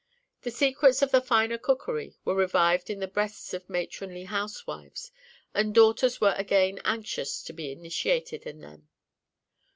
The secrets of the finer cookery were revived in the breasts of matronly house wives, and daughters were again anxious to be initiated in them.